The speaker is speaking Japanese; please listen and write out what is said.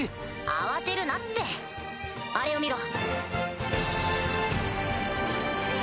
慌てるなってあれを見ろ。